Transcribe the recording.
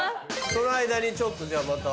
その間にちょっとじゃあまた。